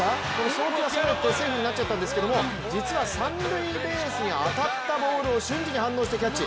送球がそれてセーフになったんですが実は三塁ベースに当たったボールを瞬時に反応してキャッチ。